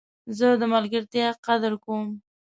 زه د ملګرتیا قدر کوم.